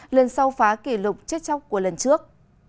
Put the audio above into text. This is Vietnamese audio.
lần sau phá kỷ lục chết chóc của lần trước